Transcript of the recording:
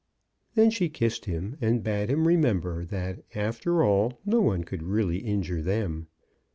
Then she kissed him, and bade him remember that, after all, no one could really injure them.